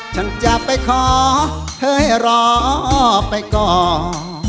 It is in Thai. ฉันจะไปขอให้รอไปก่อน